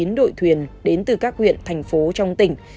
giải đua thuyền truyền đến từ các huyện thành phố trong tỉnh